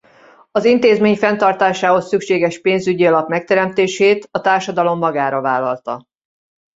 Az intézmény fenntartásához szükséges pénzügyi alap megteremtését a társadalom magára vállalta.